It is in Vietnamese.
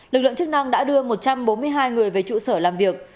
lực lượng chức năng đã đưa một trăm bốn mươi hai người về trụ sở làm việc